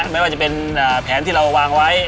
ไม่ว่าจะเป็นแผนที่เราวางไว้